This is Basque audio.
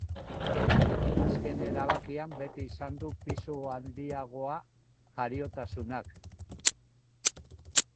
Azken erabakian, beti izan du pisu handiagoa jariotasunak.